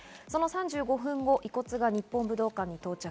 その３５分後、遺骨が日本武道館に到着。